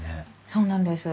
そうなんです。